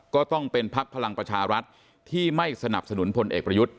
ก็ต้องเป็นพักพลังประชารัฐที่ไม่สนับสนุนพลเอกประยุทธ์